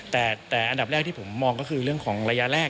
แต่อันดับแรกที่ผมมองก็คือเรื่องของระยะแรก